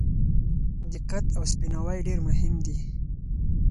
دقت او سپیناوی ډېر مهم دي.